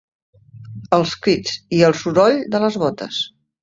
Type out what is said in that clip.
Els crits i el soroll de les botes